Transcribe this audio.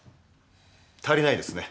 足りないですね。